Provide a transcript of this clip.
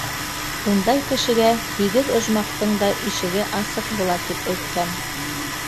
Ундай кешегә һигеҙ ожмахтың да ишеге асыҡ була, тип әйткән.